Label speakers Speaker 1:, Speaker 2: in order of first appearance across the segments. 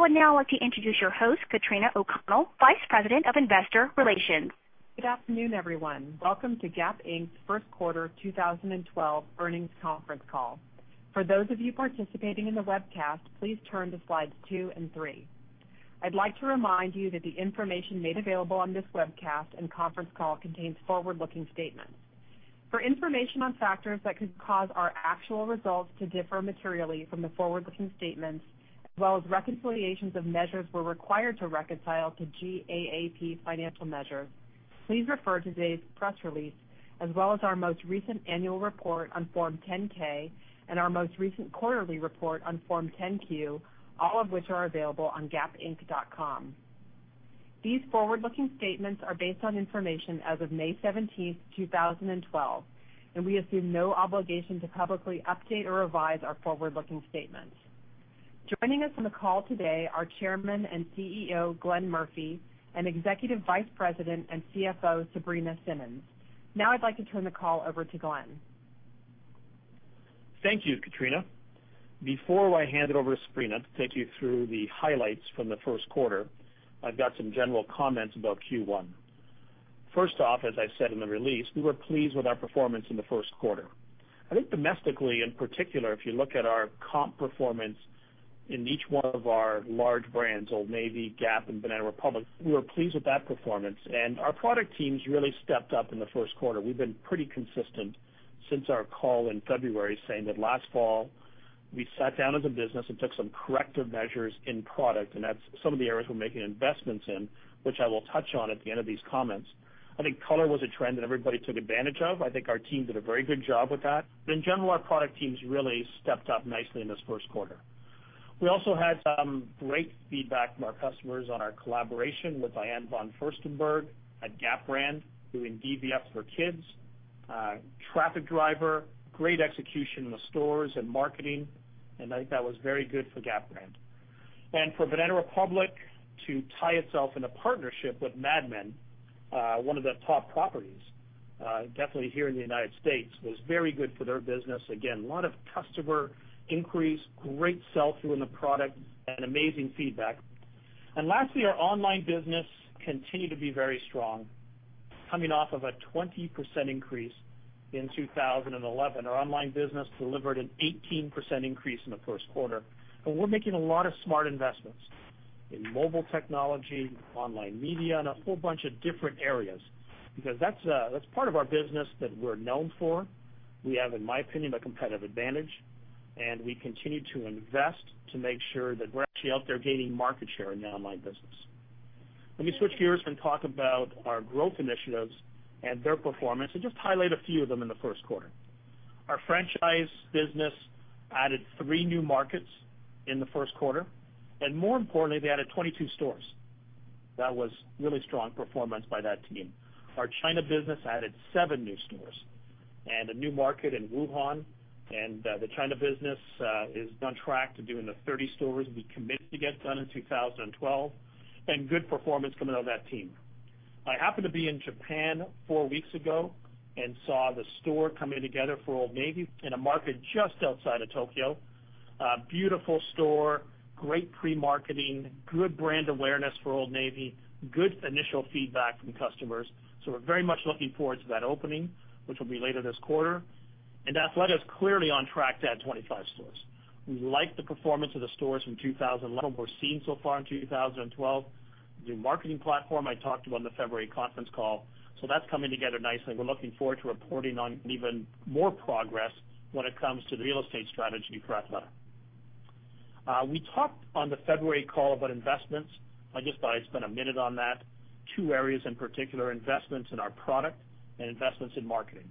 Speaker 1: I would now like to introduce your host, Katrina O'Connell, Vice President of Investor Relations.
Speaker 2: Good afternoon, everyone. Welcome to Gap Inc.'s first quarter 2012 earnings conference call. For those of you participating in the webcast, please turn to slides two and three. I'd like to remind you that the information made available on this webcast and conference call contains forward-looking statements. For information on factors that could cause our actual results to differ materially from the forward-looking statements, as well as reconciliations of measures we're required to reconcile to GAAP financial measures, please refer to today's press release, as well as our most recent annual report on Form 10-K and our most recent quarterly report on Form 10-Q, all of which are available on gapinc.com. These forward-looking statements are based on information as of May 17th, 2012. We assume no obligation to publicly update or revise our forward-looking statements. Joining us on the call today are Chairman and CEO, Glenn Murphy, and Executive Vice President and CFO, Sabrina Simmons. Now I'd like to turn the call over to Glenn.
Speaker 3: Thank you, Katrina. Before I hand it over to Sabrina to take you through the highlights from the first quarter, I've got some general comments about Q1. First off, as I said in the release, we were pleased with our performance in the first quarter. I think domestically, in particular, if you look at our comp performance in each one of our large brands, Old Navy, Gap, and Banana Republic, we were pleased with that performance. Our product teams really stepped up in the first quarter. We've been pretty consistent since our call in February, saying that last fall we sat down as a business and took some corrective measures in product, that's some of the areas we're making investments in, which I will touch on at the end of these comments. I think color was a trend that everybody took advantage of. I think our team did a very good job with that. In general, our product teams really stepped up nicely in this first quarter. We also had some great feedback from our customers on our collaboration with Diane von Furstenberg at Gap brand, doing DVF for kids, traffic driver, great execution in the stores and marketing, and I think that was very good for Gap brand. For Banana Republic to tie itself in a partnership with "Mad Men," one of the top properties, definitely here in the United States, was very good for their business. Again, a lot of customer increase, great sell-through in the product, and amazing feedback. Lastly, our online business continued to be very strong. Coming off of a 20% increase in 2011, our online business delivered an 18% increase in the first quarter. We're making a lot of smart investments in mobile technology, online media, and a whole bunch of different areas, because that's part of our business that we're known for. We have, in my opinion, a competitive advantage, and we continue to invest to make sure that we're actually out there gaining market share in the online business. Let me switch gears and talk about our growth initiatives and their performance, and just highlight a few of them in the first quarter. Our franchise business added three new markets in the first quarter, and more importantly, they added 22 stores. That was really strong performance by that team. Our China business added seven new stores and a new market in Wuhan, and the China business is on track to doing the 30 stores we committed to get done in 2012, and good performance coming out of that team. I happened to be in Japan four weeks ago and saw the store coming together for Old Navy in a market just outside of Tokyo. A beautiful store, great pre-marketing, good brand awareness for Old Navy, good initial feedback from customers. We're very much looking forward to that opening, which will be later this quarter. Athleta's clearly on track to add 25 stores. We like the performance of the stores from 2011, we're seeing so far in 2012. The marketing platform I talked about in the February conference call. That's coming together nicely. We're looking forward to reporting on even more progress when it comes to the real estate strategy for Athleta. We talked on the February call about investments. I just thought I'd spend a minute on that. Two areas in particular, investments in our product and investments in marketing.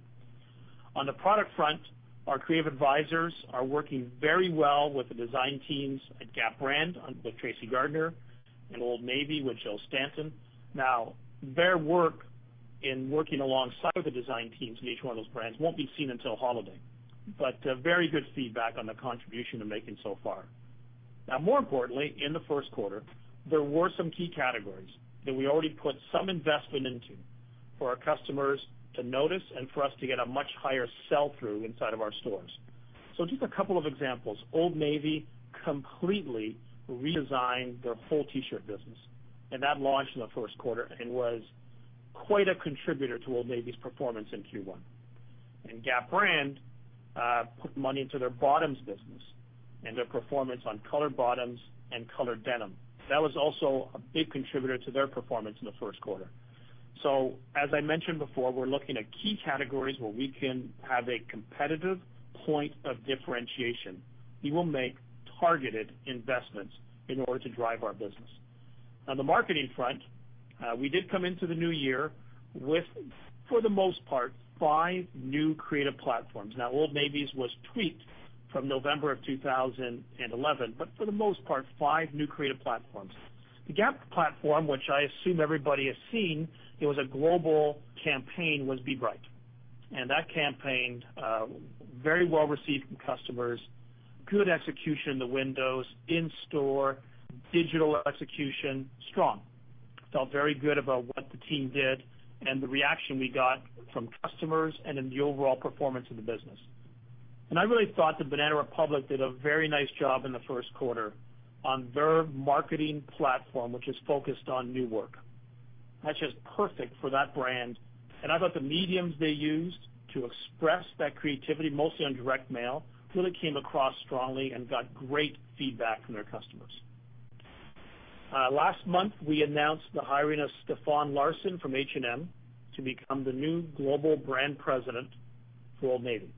Speaker 3: On the product front, our creative advisors are working very well with the design teams at Gap brand with Tracy Gardner and Old Navy with Jill Stanton. Their work in working alongside the design teams in each one of those brands won't be seen until holiday. Very good feedback on the contribution they're making so far. More importantly, in the first quarter, there were some key categories that we already put some investment into for our customers to notice and for us to get a much higher sell-through inside of our stores. Just a couple of examples. Old Navy completely redesigned their whole T-shirt business, and that launched in the first quarter and was quite a contributor to Old Navy's performance in Q1. Gap brand put money into their bottoms business and their performance on colored bottoms and colored denim. That was also a big contributor to their performance in the first quarter. As I mentioned before, we're looking at key categories where we can have a competitive point of differentiation. We will make targeted investments in order to drive our business. On the marketing front, we did come into the new year with, for the most part, five new creative platforms. Old Navy's was tweaked from November of 2011, but for the most part, five new creative platforms. The Gap platform, which I assume everybody has seen, it was a global campaign, was Be Bright. That campaign, very well received from customers, good execution in the windows, in store, digital execution, strong. Felt very good about what the team did and the reaction we got from customers and in the overall performance of the business. I really thought that Banana Republic did a very nice job in the first quarter on their marketing platform, which is focused on new work. That's just perfect for that brand. I thought the mediums they used to express that creativity, mostly on direct mail, really came across strongly and got great feedback from their customers. Last month, we announced the hiring of Stefan Larsson from H&M to become the new Global Brand President for Old Navy.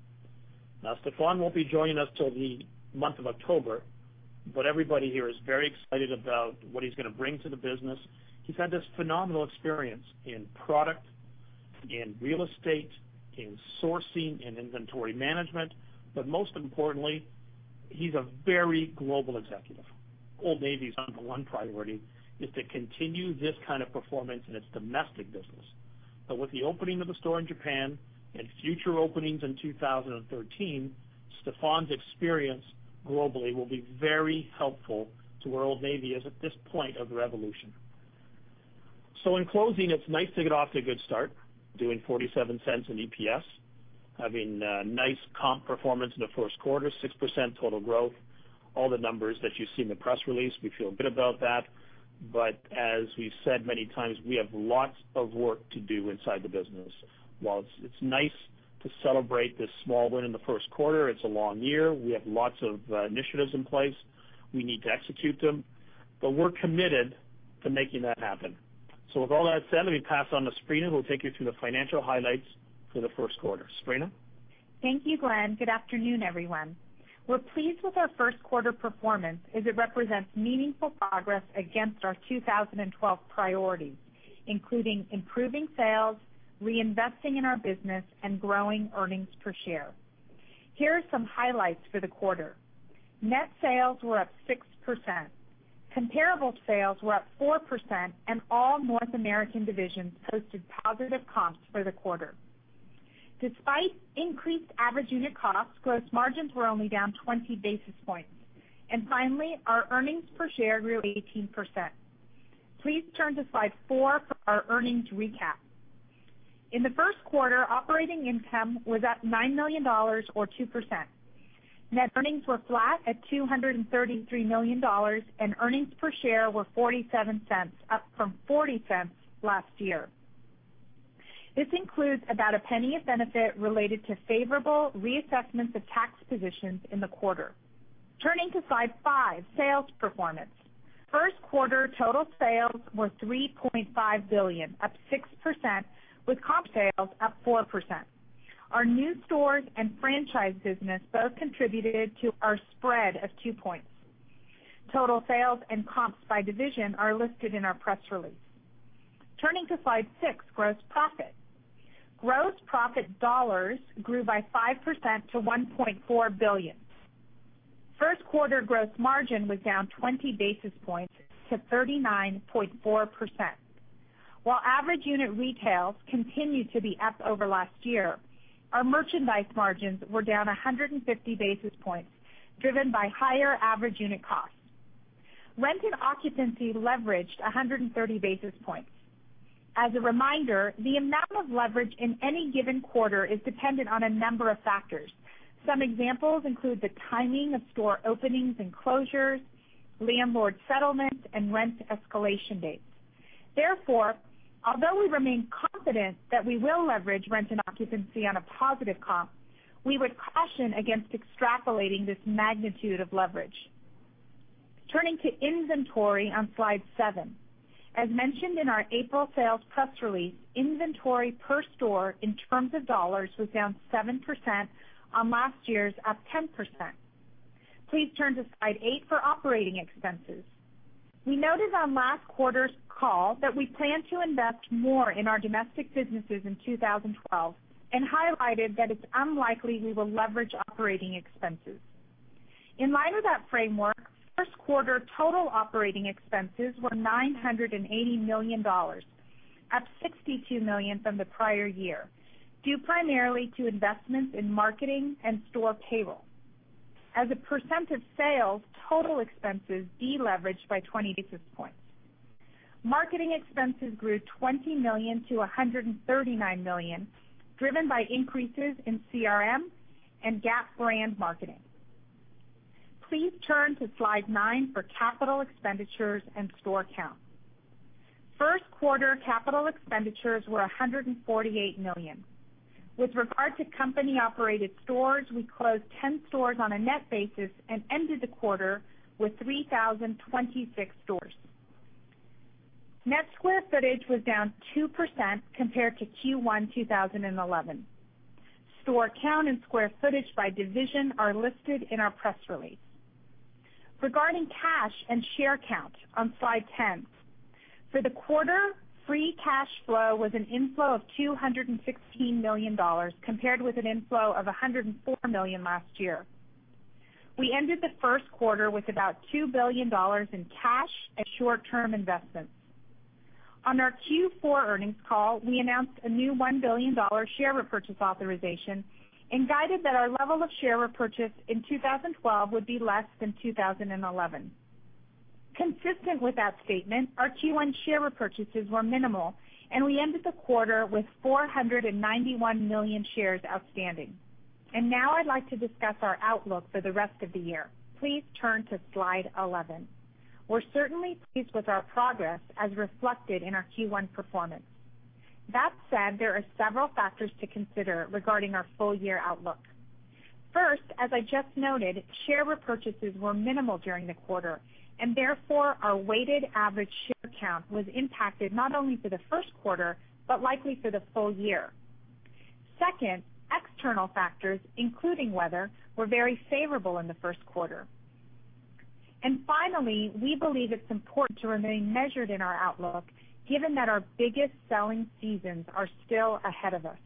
Speaker 3: Stefan won't be joining us till the month of October, but everybody here is very excited about what he's going to bring to the business. He's had this phenomenal experience in product, in real estate, in sourcing and inventory management, but most importantly, he's a very global executive. Old Navy's number one priority is to continue this kind of performance in its domestic business. With the opening of the store in Japan and future openings in 2013, Stefan's experience globally will be very helpful to where Old Navy is at this point of revolution. In closing, it's nice to get off to a good start doing $0.47 in EPS, having a nice comp performance in the first quarter, 6% total growth. All the numbers that you see in the press release, we feel good about that. As we've said many times, we have lots of work to do inside the business. While it's nice to celebrate this small win in the first quarter, it's a long year. We have lots of initiatives in place. We need to execute them. We're committed to making that happen. With all that said, let me pass on to Sabrina, who will take you through the financial highlights for the first quarter. Sabrina?
Speaker 4: Thank you, Glenn. Good afternoon, everyone. We're pleased with our first quarter performance as it represents meaningful progress against our 2012 priorities, including improving sales, reinvesting in our business, and growing earnings per share. Here are some highlights for the quarter. Net sales were up 6%. Comparable sales were up 4%, and all North American divisions posted positive comps for the quarter. Despite increased average unit costs, gross margins were only down 20 basis points. Finally, our earnings per share grew 18%. Please turn to slide four for our earnings recap. In the first quarter, operating income was up $9 million, or 2%. Net earnings were flat at $233 million, and earnings per share were $0.47, up from $0.40 last year. This includes about $0.01 of benefit related to favorable reassessments of tax positions in the quarter. Turning to slide five, sales performance. First quarter total sales were $3.5 billion, up 6%, with comp sales up 4%. Our new stores and franchise business both contributed to our spread of two points. Total sales and comps by division are listed in our press release. Turning to slide six, gross profit. Gross profit dollars grew by 5% to $1.4 billion. First quarter gross margin was down 20 basis points to 39.4%. While average unit retails continued to be up over last year, our merchandise margins were down 150 basis points, driven by higher average unit costs. Rent and occupancy leveraged 130 basis points. As a reminder, the amount of leverage in any given quarter is dependent on a number of factors. Some examples include the timing of store openings and closures, landlord settlements, and rent escalation dates. Therefore, although we remain confident that we will leverage rent and occupancy on a positive comp, we would caution against extrapolating this magnitude of leverage. Turning to inventory on slide seven. As mentioned in our April sales press release, inventory per store in terms of dollars was down 7% on last year's up 10%. Please turn to slide eight for operating expenses. We noted on last quarter's call that we plan to invest more in our domestic businesses in 2012 and highlighted that it's unlikely we will leverage operating expenses. In light of that framework, first quarter total operating expenses were $980 million, up $62 million from the prior year, due primarily to investments in marketing and store payroll. As a percent of sales, total expenses deleveraged by 20 basis points. Marketing expenses grew $20 million to $139 million, driven by increases in CRM and Gap brand marketing. Please turn to slide nine for capital expenditures and store count. First quarter capital expenditures were $148 million. With regard to company-operated stores, we closed 10 stores on a net basis and ended the quarter with 3,026 stores. Net square footage was down 2% compared to Q1 2011. Store count and square footage by division are listed in our press release. Regarding cash and share count on slide 10. For the quarter, free cash flow was an inflow of $216 million, compared with an inflow of $104 million last year. We ended the first quarter with about $2 billion in cash and short-term investments. On our Q4 earnings call, we announced a new $1 billion share repurchase authorization and guided that our level of share repurchase in 2012 would be less than 2011. Consistent with that statement, our Q1 share repurchases were minimal, and we ended the quarter with 491 million shares outstanding. Now I'd like to discuss our outlook for the rest of the year. Please turn to Slide 11. We're certainly pleased with our progress as reflected in our Q1 performance. That said, there are several factors to consider regarding our full year outlook. First, as I just noted, share repurchases were minimal during the quarter, and therefore our weighted average share count was impacted not only for the first quarter, but likely for the full year. Second, external factors, including weather, were very favorable in the first quarter. Finally, we believe it's important to remain measured in our outlook, given that our biggest selling seasons are still ahead of us.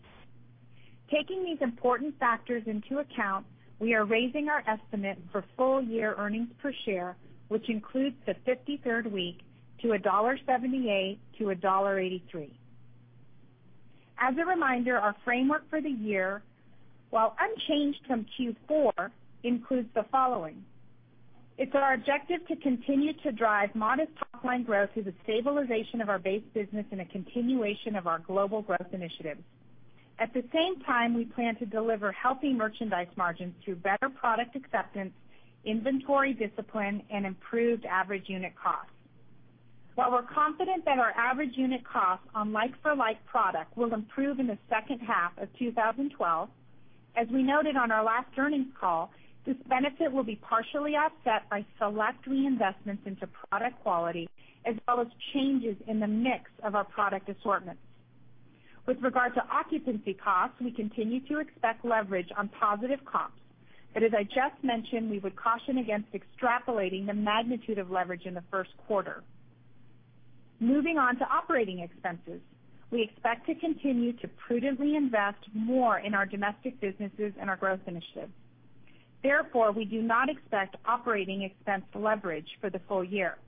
Speaker 4: Taking these important factors into account, we are raising our estimate for full-year earnings per share, which includes the 53rd week, to $1.78 to $1.83. As a reminder, our framework for the year, while unchanged from Q4, includes the following. It is our objective to continue to drive modest top-line growth through the stabilization of our base business and a continuation of our global growth initiatives. At the same time, we plan to deliver healthy merchandise margins through better product acceptance, inventory discipline, and improved average unit costs. While we are confident that our average unit costs on like-for-like product will improve in the second half of 2012, as we noted on our last earnings call, this benefit will be partially offset by select reinvestments into product quality, as well as changes in the mix of our product assortments. With regard to occupancy costs, we continue to expect leverage on positive comps, but as I just mentioned, we would caution against extrapolating the magnitude of leverage in the first quarter. Moving on to operating expenses, we expect to continue to prudently invest more in our domestic businesses and our growth initiatives. Therefore, we do not expect operating expense leverage for the full year.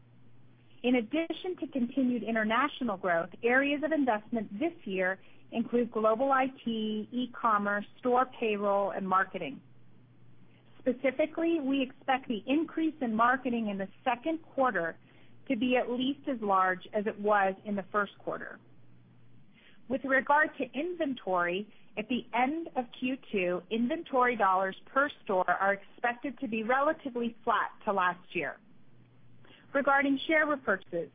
Speaker 4: In addition to continued international growth, areas of investment this year include global IT, e-commerce, store payroll, and marketing. Specifically, we expect the increase in marketing in the second quarter to be at least as large as it was in the first quarter. With regard to inventory, at the end of Q2, inventory dollars per store are expected to be relatively flat to last year. Regarding share repurchases,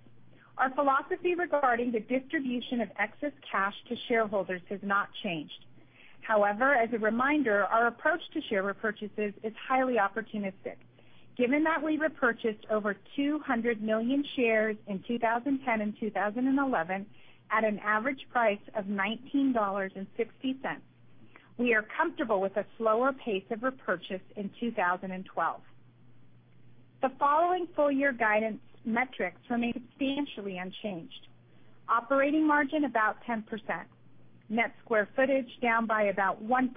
Speaker 4: our philosophy regarding the distribution of excess cash to shareholders has not changed. However, as a reminder, our approach to share repurchases is highly opportunistic. Given that we repurchased over 200 million shares in 2010 and 2011 at an average price of $19.60, we are comfortable with a slower pace of repurchase in 2012. The following full-year guidance metrics remain substantially unchanged. Operating margin, about 10%. Net square footage, down by about 1%.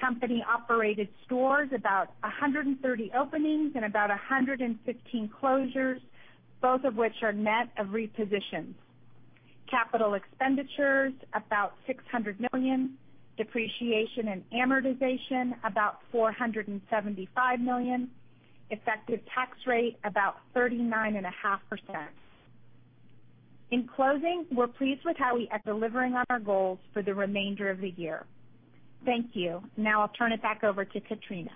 Speaker 4: Company-operated stores, about 130 openings and about 115 closures, both of which are net of repositions. Capital expenditures, about $600 million. Depreciation and amortization, about $475 million. Effective tax rate, about 39.5%. In closing, we are pleased with how we are delivering on our goals for the remainder of the year. Thank you. Now I will turn it back over to Katrina.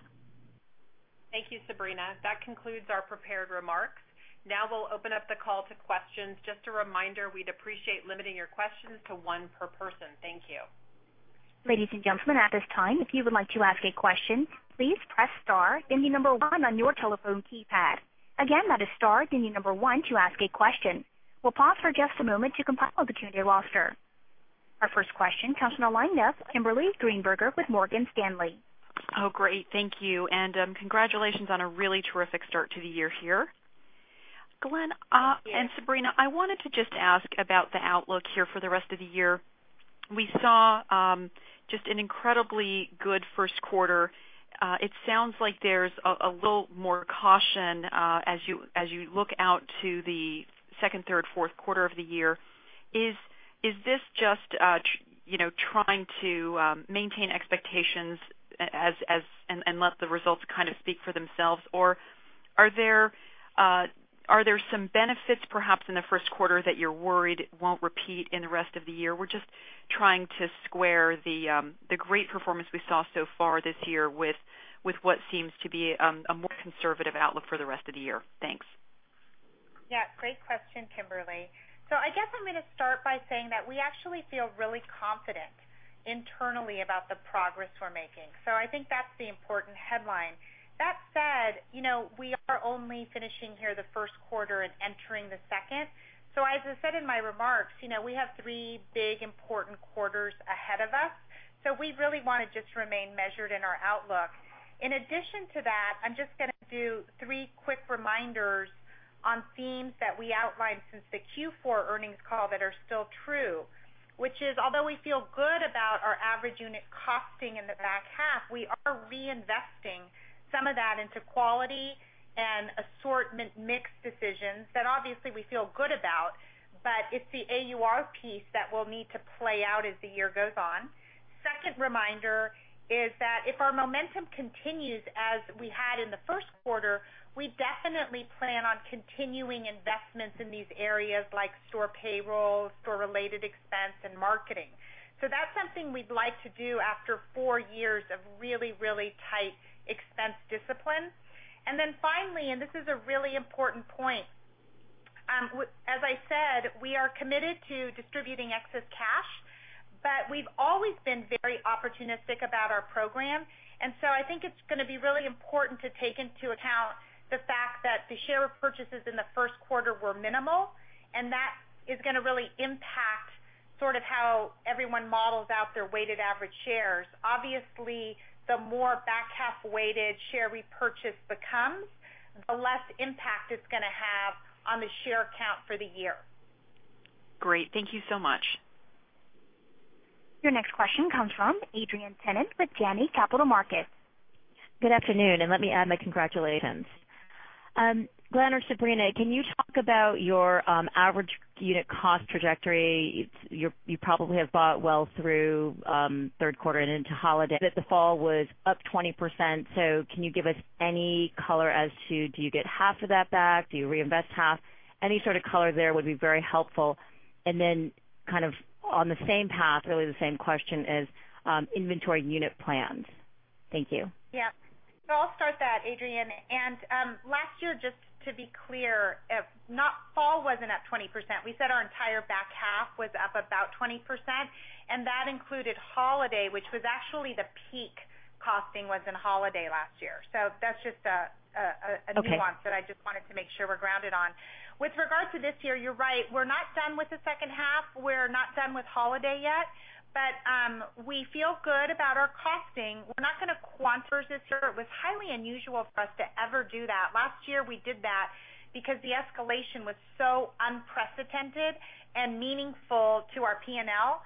Speaker 2: Thank you, Sabrina. That concludes our prepared remarks. Now we will open up the call to questions. Just a reminder, we would appreciate limiting your questions to one per person. Thank you.
Speaker 1: Ladies and gentlemen, at this time, if you would like to ask a question, please press star, then the number 1 on your telephone keypad. Again, that is star, then the number 1 to ask a question. We'll pause for just a moment to compile the attendee roster. Our first question comes on the line now from Kimberly Greenberger with Morgan Stanley.
Speaker 5: Great. Thank you, congratulations on a really terrific start to the year here. Glenn and Sabrina, I wanted to just ask about the outlook here for the rest of the year. We saw just an incredibly good first quarter. It sounds like there's a little more caution as you look out to the second, third, fourth quarter of the year. Is this just trying to maintain expectations and let the results kind of speak for themselves? Or are there some benefits, perhaps, in the first quarter that you're worried won't repeat in the rest of the year? We're just trying to square the great performance we saw so far this year with what seems to be a more conservative outlook for the rest of the year. Thanks.
Speaker 4: Great question, Kimberly. I guess I'm going to start by saying that we actually feel really confident internally about the progress we're making. I think that's the important headline. That said, we are only finishing here the first quarter and entering the second. As I said in my remarks, we have three big, important quarters ahead of us. We really want to just remain measured in our outlook. In addition to that, I'm just going to do three quick reminders On themes that we outlined since the Q4 earnings call that are still true, which is, although we feel good about our average unit costing in the back half, we are reinvesting some of that into quality and assortment mix decisions that obviously we feel good about, but it's the AUR piece that will need to play out as the year goes on. Second reminder is that if our momentum continues as we had in the first quarter, we definitely plan on continuing investments in these areas like store payroll, store-related expense, and marketing. That's something we'd like to do after four years of really, really tight expense discipline. Finally, and this is a really important point, as I said, we are committed to distributing excess cash, but we've always been very opportunistic about our program. I think it's going to be really important to take into account the fact that the share purchases in the first quarter were minimal, that is going to really impact how everyone models out their weighted average shares. Obviously, the more back-half weighted share repurchase becomes, the less impact it's going to have on the share count for the year.
Speaker 5: Great. Thank you so much.
Speaker 1: Your next question comes from Adrienne Tennant with Janney Capital Markets.
Speaker 6: Good afternoon, let me add my congratulations. Glenn or Sabrina, can you talk about your average unit cost trajectory? You probably have thought well through third quarter and into holiday, that the fall was up 20%. Can you give us any color as to, do you get half of that back? Do you reinvest half? Any sort of color there would be very helpful. On the same path, really the same question is inventory unit plans. Thank you.
Speaker 4: Yeah. I'll start that, Adrienne. Last year, just to be clear, fall wasn't up 20%. We said our entire back half was up about 20%, and that included holiday, which was actually the peak costing was in holiday last year. That's just a nuance-
Speaker 6: Okay
Speaker 4: That I just wanted to make sure we're grounded on. With regards to this year, you're right. We're not done with the second half. We're not done with holiday yet, but we feel good about our costing. We're not going to quantify this year. It was highly unusual for us to ever do that. Last year, we did that because the escalation was so unprecedented and meaningful to our P&L.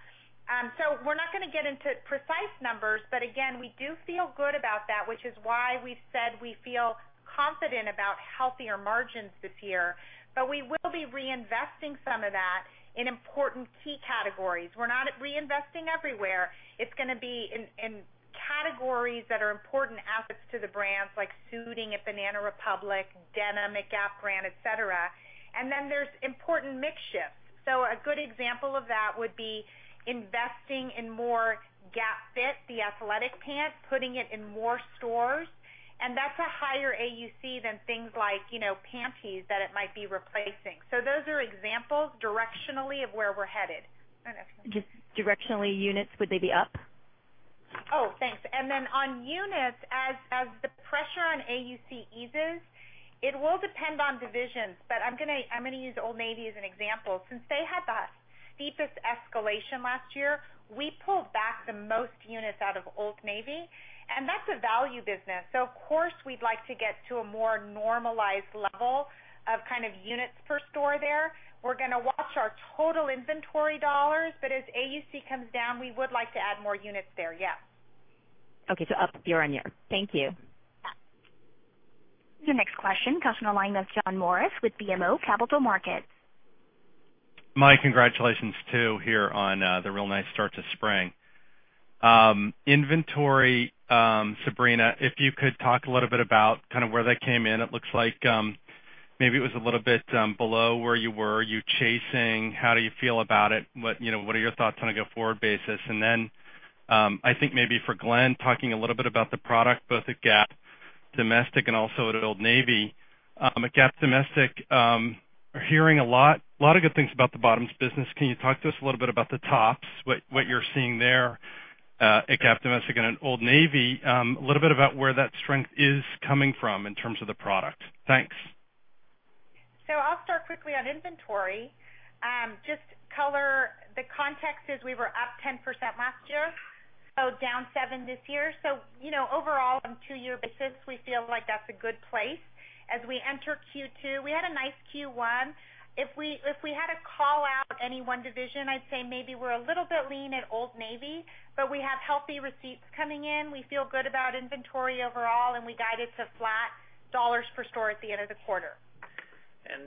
Speaker 4: We're not going to get into precise numbers, but again, we do feel good about that, which is why we said we feel confident about healthier margins this year. We will be reinvesting some of that in important key categories. We're not reinvesting everywhere. It's going to be in categories that are important assets to the brands like suiting at Banana Republic, denim at Gap brand, et cetera. There's important mix shifts. A good example of that would be investing in more GapFit, the athletic pant, putting it in more stores, and that's a higher AUC than things like panties that it might be replacing. Those are examples directionally of where we're headed.
Speaker 6: Just directionally, units, would they be up?
Speaker 4: Oh, thanks. On units, as the pressure on AUC eases, it will depend on divisions, but I'm going to use Old Navy as an example. Since they had the steepest escalation last year, we pulled back the most units out of Old Navy, and that's a value business. Of course, we'd like to get to a more normalized level of units per store there. We're going to watch our total inventory dollars, but as AUC comes down, we would like to add more units there, yes.
Speaker 6: Okay, up year-over-year. Thank you.
Speaker 1: Your next question comes from the line of John Morris with BMO Capital Markets.
Speaker 7: My congratulations too here on the real nice start to spring. Inventory, Sabrina, if you could talk a little bit about where that came in. It looks like maybe it was a little bit below where you were. Are you chasing? How do you feel about it? What are your thoughts on a go-forward basis? I think maybe for Glenn, talking a little bit about the product, both at Gap Domestic and also at Old Navy. At Gap Domestic, we're hearing a lot of good things about the bottoms business. Can you talk to us a little bit about the tops, what you're seeing there at Gap Domestic and at Old Navy, a little bit about where that strength is coming from in terms of the product? Thanks.
Speaker 4: I'll start quickly on inventory. Just color the context as we were up 10% last year, so down 7% this year. Overall, on a two-year basis, we feel like that's a good place as we enter Q2. We had a nice Q1. If we had to call out any one division, I'd say maybe we're a little bit lean at Old Navy, but we have healthy receipts coming in. We feel good about inventory overall, and we guided to flat dollars per store at the end of the quarter.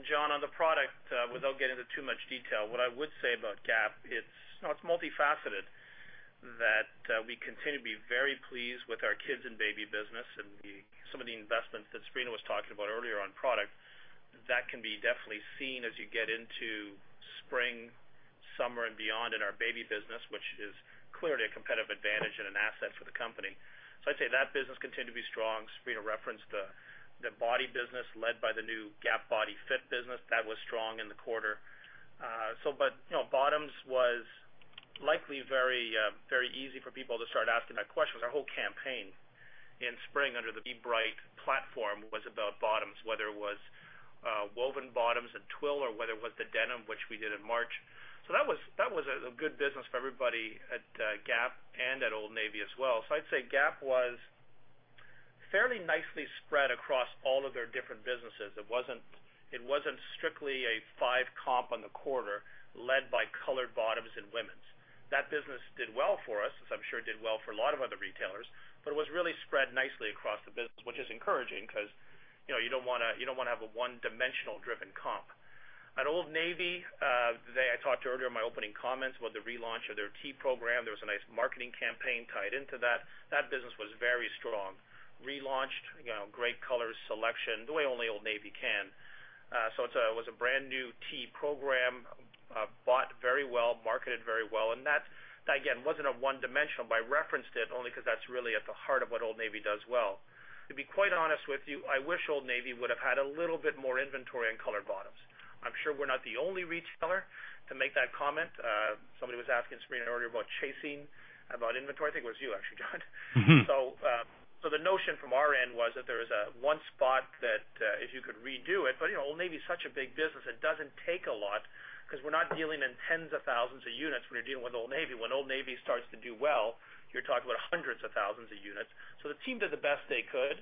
Speaker 3: John, on the product, without getting into too much detail, what I would say about Gap, it's multifaceted. That we continue to be very pleased with our kids and baby business and some of the investments that Sabrina was talking about earlier on product, that can be definitely seen as you get into spring, summer, and beyond in our baby business, which is clearly a competitive advantage and an asset for the company. I'd say that business continued to be strong. Sabrina referenced the body business led by the new GapFit business. That was strong in the quarter. Bottoms was likely very easy for people to start asking that question, because our whole campaign in spring under the Be Bright platform was about bottoms, whether it was woven bottoms and twill or whether it was the denim, which we did in March. That was a good business for everybody at Gap and at Old Navy as well. I'd say Gap was fairly nicely spread across all of their different businesses. It wasn't strictly a five comp on the quarter led by colored bottoms and women's. That business did well for us, as I'm sure it did well for a lot of other retailers. It was really spread nicely across the business, which is encouraging because you don't want to have a one-dimensional driven comp. At Old Navy, today, I talked earlier in my opening comments about the relaunch of their tee program. There was a nice marketing campaign tied into that. That business was very strong. Relaunched, great color selection, the way only Old Navy can. It was a brand new tee program, bought very well, marketed very well, and that, again, wasn't a one-dimensional, but I referenced it only because that's really at the heart of what Old Navy does well. To be quite honest with you, I wish Old Navy would have had a little bit more inventory in colored bottoms. I'm sure we're not the only retailer to make that comment. Somebody was asking Sabrina earlier about chasing, about inventory. I think it was you, actually, John. The notion from our end was that there is one spot that if you could redo it, but Old Navy is such a big business, it doesn't take a lot because we're not dealing in tens of thousands of units when you're dealing with Old Navy. When Old Navy starts to do well, you're talking about hundreds of thousands of units. The team did the best they could.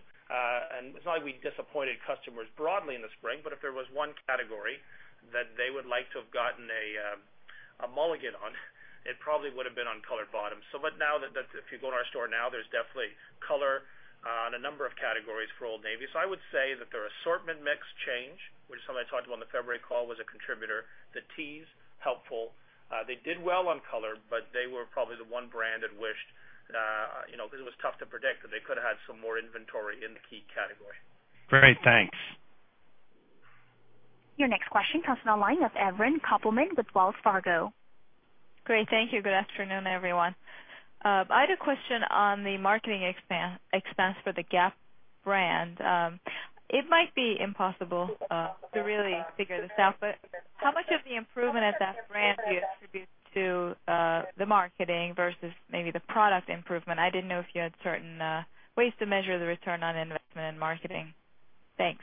Speaker 3: It's not like we disappointed customers broadly in the spring, but if there was one category that they would like to have gotten a mulligan on, it probably would've been on colored bottoms. But now if you go to our store now, there's definitely color on a number of categories for Old Navy. I would say that their assortment mix change, which is something I talked about on the February call, was a contributor. The tees, helpful. They did well on color, but they were probably the one brand that wished, because it was tough to predict, that they could've had some more inventory in the key category.
Speaker 7: Great. Thanks.
Speaker 1: Your next question comes on the line of Evren Kopelman with Wells Fargo.
Speaker 8: Great. Thank you. Good afternoon, everyone. I had a question on the marketing expense for the Gap brand. It might be impossible to really figure this out, but how much of the improvement at that brand do you attribute to the marketing versus maybe the product improvement? I didn't know if you had certain ways to measure the return on investment in marketing. Thanks.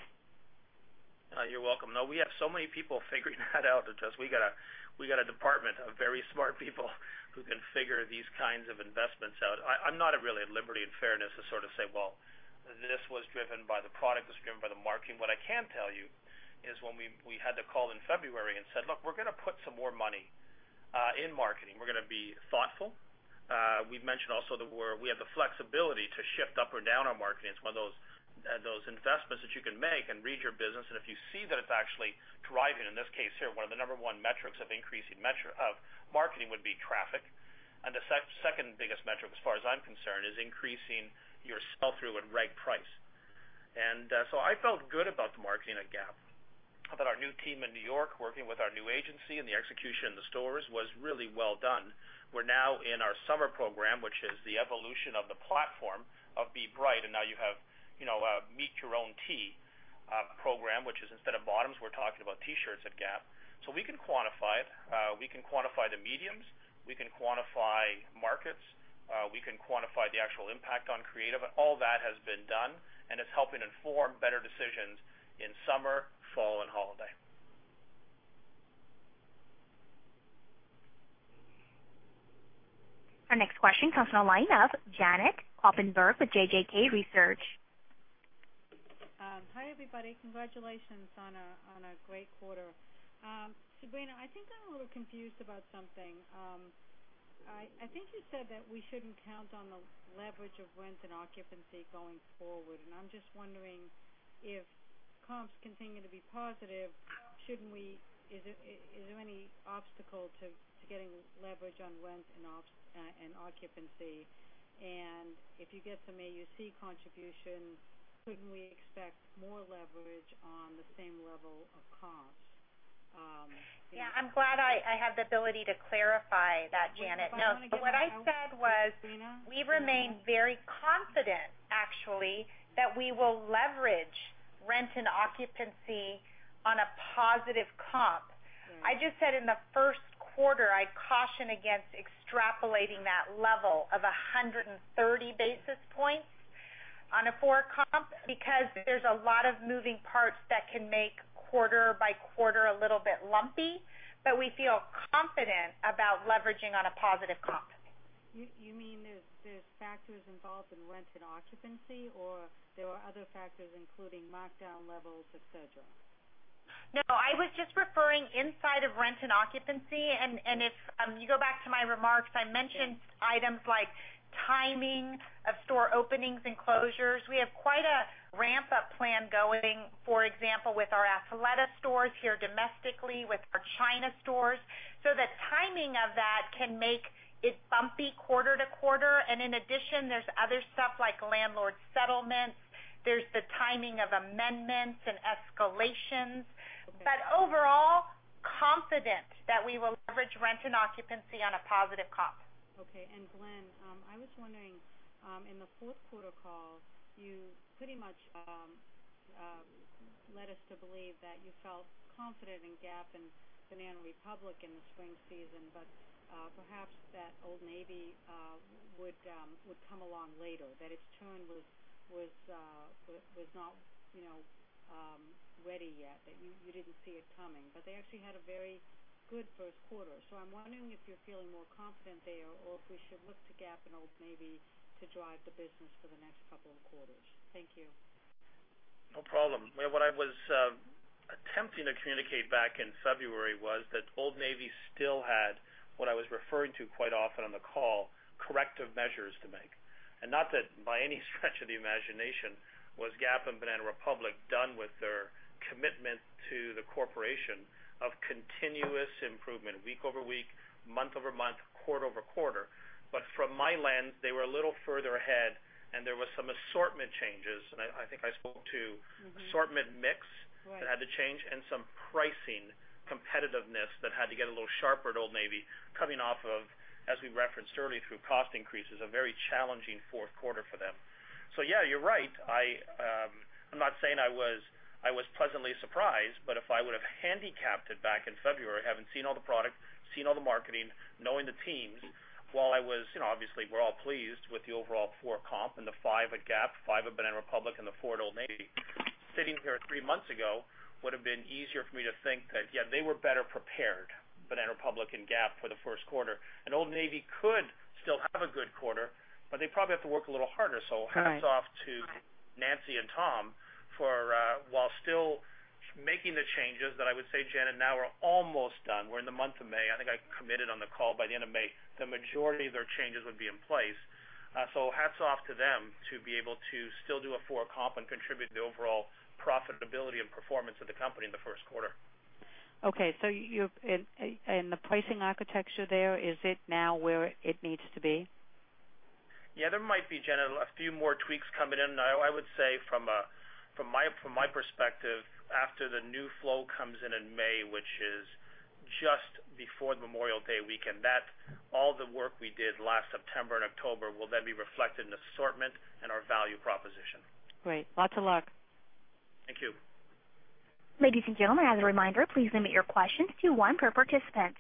Speaker 3: You're welcome. We have so many people figuring that out that just we got a department of very smart people who can figure these kinds of investments out. I'm not really at liberty in fairness to sort of say, well, this was driven by the product, this was driven by the marketing. What I can tell you is when we had the call in February and said, look, we're going to put some more money in marketing. We're going to be thoughtful. We've mentioned also that we have the flexibility to shift up or down on marketing. It's one of those investments that you can make and read your business, and if you see that it's actually driving, in this case here, one of the number one metrics of marketing would be traffic. The second-biggest metric, as far as I'm concerned, is increasing your sell-through at reg price. I felt good about the marketing at Gap. About our new team in New York working with our new agency, and the execution in the stores was really well done. We're now in our summer program, which is the evolution of the platform of Be Bright, and now you have Meet Your Own Tee program, which is instead of bottoms, we're talking about T-shirts at Gap. We can quantify it. We can quantify the mediums. We can quantify markets. We can quantify the actual impact on creative. All that has been done, and it's helping inform better decisions in summer, fall, and holiday.
Speaker 1: Our next question comes on the line of Janet Kloppenburg with JJK Research.
Speaker 9: Hi, everybody. Congratulations on a great quarter. Sabrina, I think I'm a little confused about something. I think you said that we shouldn't count on the leverage of rent and occupancy going forward. I'm just wondering if comps continue to be positive, is there any obstacle to getting leverage on rent and occupancy? If you get some AUC contribution, couldn't we expect more leverage on the same level of comps?
Speaker 4: Yeah. I'm glad I have the ability to clarify that, Janet. No. What I said was we remain very confident, actually, that we will leverage rent and occupancy on a positive comp. I just said in the first quarter, I'd caution against extrapolating that level of 130 basis points on a 4 comp because there's a lot of moving parts that can make quarter by quarter a little bit lumpy. We feel confident about leveraging on a positive comp.
Speaker 9: You mean there's factors involved in rent and occupancy, or there are other factors including markdown levels, et cetera?
Speaker 4: No. I was just referring inside of rent and occupancy. If you go back to my remarks, I mentioned items like timing of store openings and closures. We have quite a ramp-up plan going, for example, with our Athleta stores here domestically, with our China stores. The timing of that can make it bumpy quarter-to-quarter. In addition, there's other stuff like landlord settlements. There's the timing of amendments and escalations.
Speaker 9: Okay.
Speaker 4: Overall, confident that we will leverage rent and occupancy on a positive comp.
Speaker 9: Okay. Glenn, I was wondering, in the fourth quarter call, you pretty much led us to believe that you felt confident in Gap and Banana Republic in the spring season, but perhaps that Old Navy would come along later, that its turn was not ready yet, that you didn't see it coming. They actually had a very good first quarter. I'm wondering if you're feeling more confident there, or if we should look to Gap and Old Navy to drive the business for the next couple of quarters. Thank you.
Speaker 3: No problem. What I was attempting to communicate back in February was that Old Navy still had what I was referring to quite often on the call, corrective measures to make. Not that by any stretch of the imagination was Gap and Banana Republic done with their commitment to the corporation of continuous improvement week-over-week, month-over-month, quarter-over-quarter. From my lens, they were a little further ahead and there were some assortment changes. I think I spoke to assortment mix that had to change and some pricing competitiveness that had to get a little sharper at Old Navy coming off of, as we referenced earlier through cost increases, a very challenging fourth quarter for them. Yeah, you're right. I'm not saying I was pleasantly surprised, but if I would have handicapped it back in February, having seen all the product, seen all the marketing, knowing the teams, obviously, we're all pleased with the overall 4 comp and the 5 at Gap, 5 at Banana Republic and the 4 at Old Navy. Sitting here three months ago, would have been easier for me to think that, yeah, they were better prepared, Banana Republic and Gap for the first quarter. Old Navy could still have a good quarter, but they probably have to work a little harder. Hats off to Nancy and Tom for while still making the changes that I would say, Janet, now are almost done. We're in the month of May. I think I committed on the call by the end of May, the majority of their changes would be in place. Hats off to them to be able to still do a 4 comp and contribute to the overall profitability and performance of the company in the first quarter.
Speaker 9: Okay. The pricing architecture there, is it now where it needs to be?
Speaker 3: Yeah, there might be, Janet, a few more tweaks coming in. I would say from my perspective, after the new flow comes in in May, which is just before Memorial Day weekend, that all the work we did last September and October will then be reflected in assortment and our value proposition.
Speaker 9: Great. Lots of luck.
Speaker 3: Thank you.
Speaker 1: Ladies and gentlemen, as a reminder, please limit your questions to one per participant.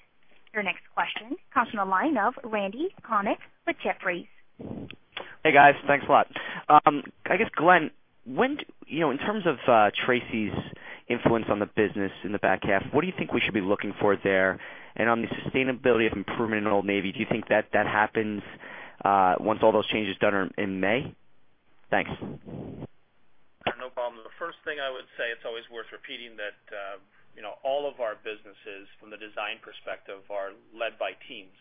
Speaker 1: Your next question comes from the line of Randal Konik with Jefferies.
Speaker 10: Hey, guys. Thanks a lot. I guess, Glenn, in terms of Tracey's influence on the business in the back half, what do you think we should be looking for there? On the sustainability of improvement in Old Navy, do you think that that happens once all those changes are done in May? Thanks.
Speaker 3: No problem. The first thing I would say, it's always worth repeating that all of our businesses from the design perspective are led by teams.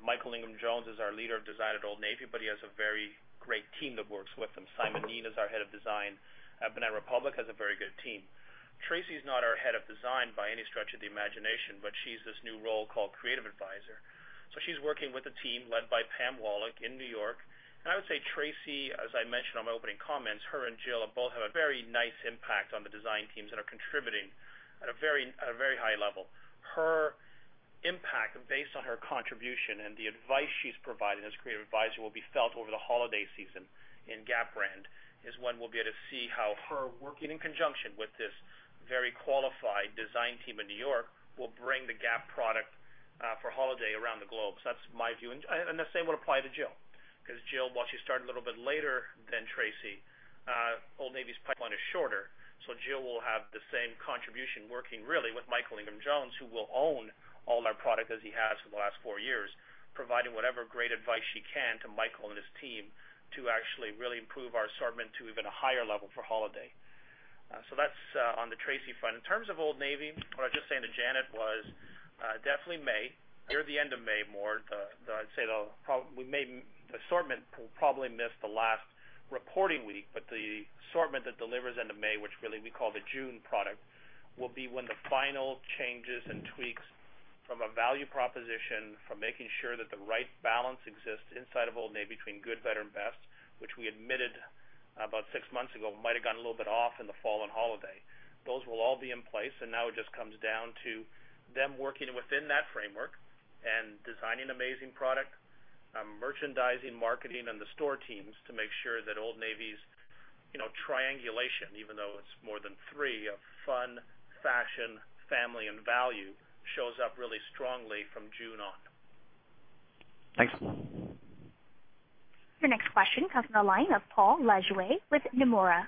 Speaker 3: Michael Ingham Jones is our leader of design at Old Navy, but he has a very great team that works with him. Simon Kneen is our head of design at Banana Republic, has a very good team. Tracey is not our head of design by any stretch of the imagination, but she's this new role called creative advisor. She's working with a team led by Pam Wallack in New York. I would say Tracey, as I mentioned on my opening comments, her and Jill both have a very nice impact on the design teams and are contributing at a very high level. Her impact based on her contribution and the advice she's providing as creative advisor will be felt over the holiday season in Gap brand, is when we'll be able to see how her working in conjunction with this very qualified design team in New York will bring the Gap product for holiday around the globe. That's my view. The same would apply to Jill, because Jill, while she started a little bit later than Tracey, Old Navy's pipeline is shorter. Jill will have the same contribution working really with Michael Ingham Jones, who will own all our product as he has for the last four years, providing whatever great advice she can to Michael and his team to actually really improve our assortment to even a higher level for holiday. That's on the Tracey front. In terms of Old Navy, what I was just saying to Janet was definitely May, near the end of May more. I'd say the assortment will probably miss the last reporting week, but the assortment that delivers end of May, which really we call the June product, will be when the final changes and tweaks from a value proposition for making sure that the right balance exists inside of Old Navy between good, better, and best. Which we admitted about six months ago, might have gone a little bit off in the fall and holiday. Those will all be in place, now it just comes down to them working within that framework and designing amazing product, merchandising, marketing, and the store teams to make sure that Old Navy's triangulation, even though it's more than three, of fun, fashion, family, and value, shows up really strongly from June on.
Speaker 10: Thanks.
Speaker 1: Your next question comes from the line of Paul Lejuez with Nomura.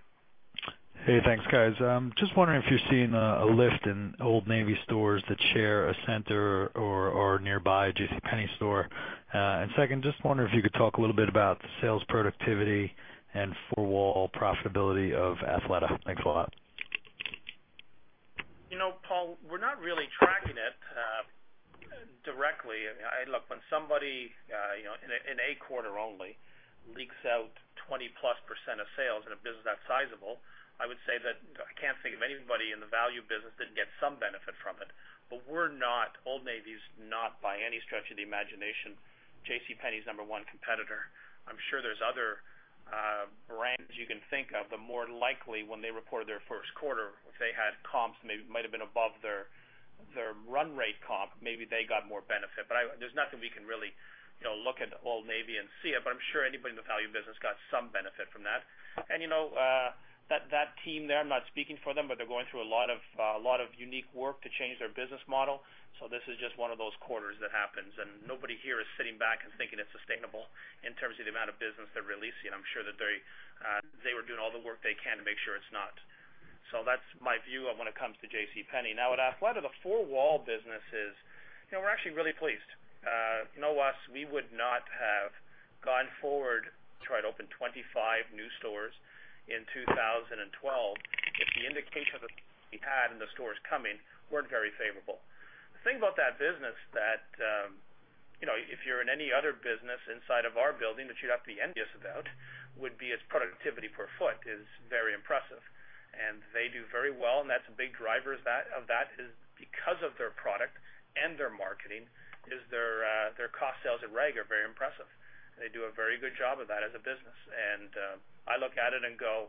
Speaker 11: Hey, thanks, guys. Just wondering if you're seeing a lift in Old Navy stores that share a center or nearby a JCPenney store. Second, just wondering if you could talk a little bit about sales productivity and four-wall profitability of Athleta. Thanks a lot.
Speaker 3: Paul, we're not really tracking it directly. Look, when somebody in a quarter only leaks out 20-plus percent of sales in a business that sizable, I would say that I can't think of anybody in the value business that didn't get some benefit from it. Old Navy is not, by any stretch of the imagination, JCPenney's number one competitor. I'm sure there's other brands you can think of, but more likely when they reported their first quarter, if they had comps, might have been above their run rate comp. Maybe they got more benefit. There's nothing we can really look at Old Navy and see it, but I'm sure anybody in the value business got some benefit from that. That team there, I'm not speaking for them, but they're going through a lot of unique work to change their business model. This is just one of those quarters that happens, and nobody here is sitting back and thinking it's sustainable in terms of the amount of business they're releasing. That's my view of when it comes to JCPenney. Now, with Athleta, the four-wall business is, we're actually really pleased. Know us, we would not have gone forward to open 25 new stores in 2012 if the indications we had in the stores coming weren't very favorable. The thing about that business that, if you're in any other business inside of our building that you'd have to be envious about, would be its productivity per foot is very impressive. They do very well, and that's a big driver of that is because of their product and their marketing, is their cost sales at reg are very impressive. They do a very good job of that as a business. I look at it and go,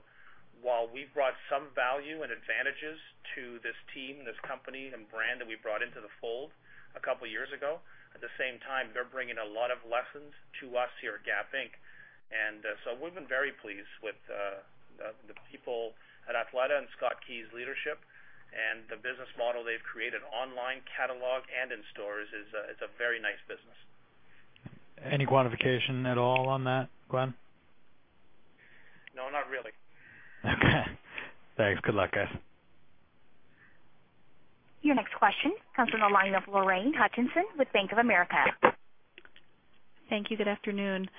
Speaker 3: while we've brought some value and advantages to this team, this company, and brand that we brought into the fold a couple of years ago, at the same time, they're bringing a lot of lessons to us here at Gap Inc. We've been very pleased with the people at Athleta and Scott Key's leadership and the business model they've created online catalog and in stores. It's a very nice business.
Speaker 11: Any quantification at all on that, Glenn?
Speaker 3: No, not really.
Speaker 11: Okay. Thanks. Good luck, guys.
Speaker 1: Your next question comes from the line of Lorraine Hutchinson with Bank of America.
Speaker 12: Thank you. Good afternoon.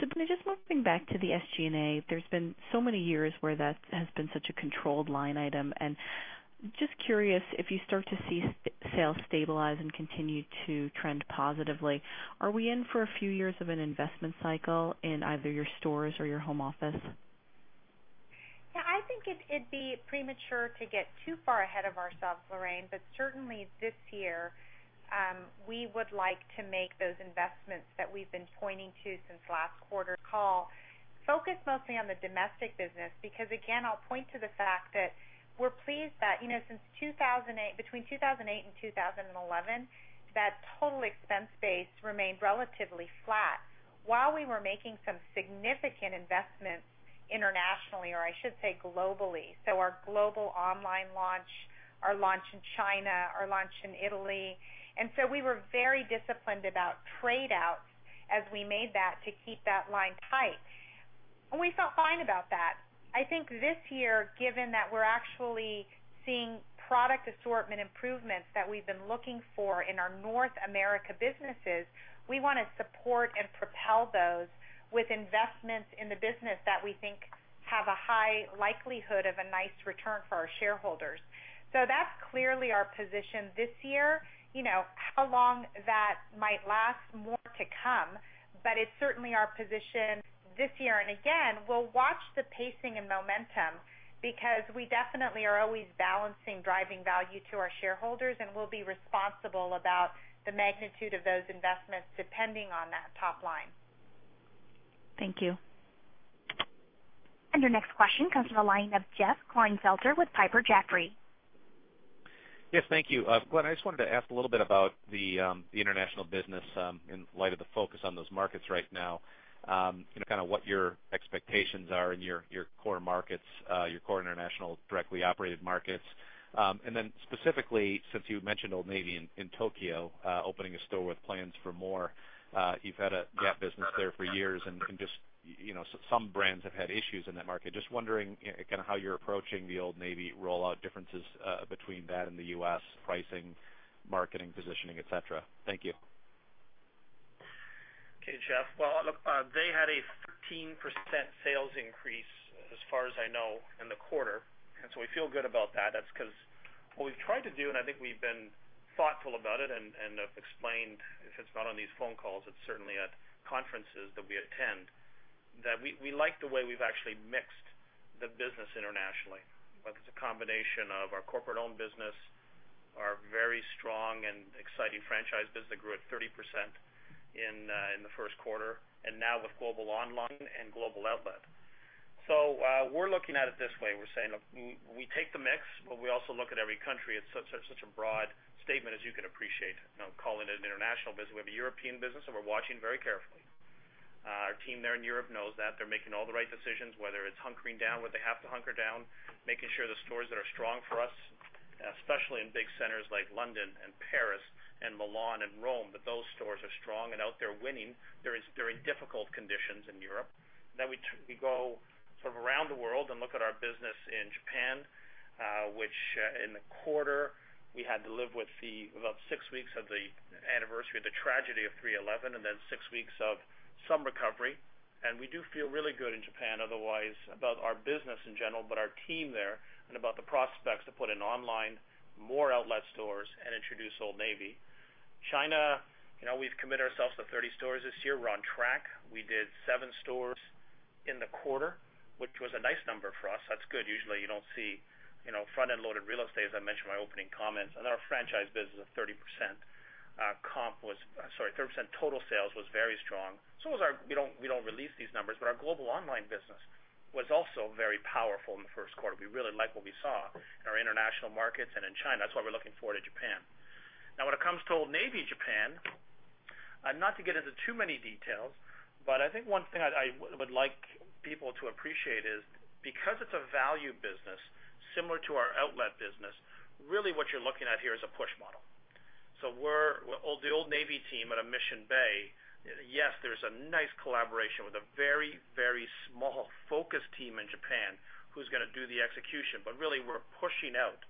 Speaker 12: Sabrina, just moving back to the SG&A, there's been so many years where that has been such a controlled line item. Just curious, if you start to see sales stabilize and continue to trend positively, are we in for a few years of an investment cycle in either your stores or your home office?
Speaker 4: Yeah, I think it'd be premature to get too far ahead of ourselves, Lorraine. Certainly this year, we would like to make those investments that we've been pointing to since last quarter's call. Focused mostly on the domestic business, because again, I'll point to the fact that we're pleased that between 2008 and 2011, that total expense base remained relatively flat while we were making some significant investments internationally, or I should say, globally. Our global online launch, our launch in China, our launch in Italy. We were very disciplined about trade-outs as we made that to keep that line tight. We felt fine about that. I think this year, given that we're actually seeing product assortment improvements that we've been looking for in our North America businesses, we want to support and propel those with investments in the business that we think have a high likelihood of a nice return for our shareholders. That's clearly our position this year. How long that might last, more to come. It's certainly our position this year. Again, we'll watch the pacing and momentum because we definitely are always balancing driving value to our shareholders, and we'll be responsible about the magnitude of those investments depending on that top line.
Speaker 12: Thank you.
Speaker 1: Your next question comes from the line of Jeff Klinefelter with Piper Jaffray.
Speaker 13: Yes, thank you. Glenn, I just wanted to ask a little bit about the international business in light of the focus on those markets right now. What your expectations are in your core markets, your core international directly operated markets. Then specifically, since you mentioned Old Navy in Tokyo, opening a store with plans for more. You've had a Gap business there for years and some brands have had issues in that market. Just wondering how you're approaching the Old Navy rollout differences between that and the U.S. pricing, marketing, positioning, et cetera. Thank you.
Speaker 3: Okay, Jeff. Well, look, they had a 13% sales increase, as far as I know, in the quarter. We feel good about that. That's because what we've tried to do, and I think we've been thoughtful about it and have explained, if it's not on these phone calls, it's certainly at conferences that we attend, that we like the way we've actually mixed the business internationally. Where there's a combination of our corporate-owned business, our very strong and exciting franchise business that grew at 30% in the first quarter, and now with global online and global outlet. We're looking at it this way. We're saying, look, we take the mix, we also look at every country. It's such a broad statement as you can appreciate. I'm calling it an international business. We have a European business, we're watching very carefully. Our team there in Europe knows that. They're making all the right decisions, whether it's hunkering down where they have to hunker down, making sure the stores that are strong for us, especially in big centers like London and Paris and Milan and Rome, that those stores are strong and out there winning during difficult conditions in Europe. We go around the world and look at our business in Japan, which in the quarter we had to live with about six weeks of the anniversary of the tragedy of 3/11, and then six weeks of some recovery. We do feel really good in Japan otherwise about our business in general, but our team there and about the prospects to put in online more outlet stores and introduce Old Navy. China, we've committed ourselves to 30 stores this year. We're on track. We did seven stores in the quarter, which was a nice number for us. That's good. Usually, you don't see front-end loaded real estate, as I mentioned in my opening comments. Our franchise business of 30% total sales was very strong. We don't release these numbers, but our global online business was also very powerful in the first quarter. We really like what we saw in our international markets and in China. That's why we're looking forward to Japan. When it comes to Old Navy Japan, not to get into too many details, but I think one thing I would like people to appreciate is because it's a value business similar to our outlet business, really what you're looking at here is a push model. The Old Navy team out of Mission Bay, yes, there's a nice collaboration with a very small focused team in Japan who's going to do the execution. Really, we're pushing out